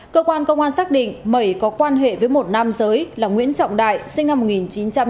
cơ quan công an xác định mẩy có quan hệ với một nam giới là nguyễn trọng đại sinh năm một nghìn chín trăm tám mươi